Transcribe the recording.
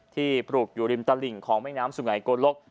ที่ปลูกอยู่ริมตะหลิงของแม่น้ำสุ่งไหนโกนลก